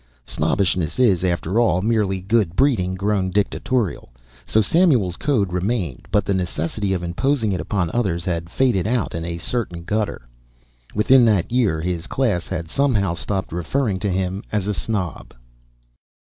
Snobbishness is, after all, merely good breeding grown dictatorial; so Samuel's code remained but the necessity of imposing it upon others had faded out in a certain gutter. Within that year his class had somehow stopped referring to him as a snob.